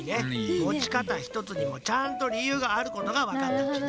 持ち方ひとつにもちゃんとりゆうがあることがわかったっちね。